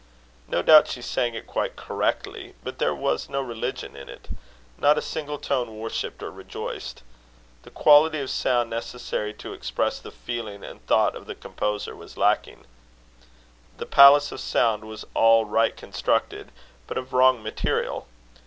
No doubt she sang it quite correctly; but there was no religion in it. Not a single tone worshipped or rejoiced. The quality of sound necessary to express the feeling and thought of the composer was lacking: the palace of sound was all right constructed, but of wrong material.